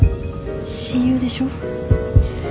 親友でしょ？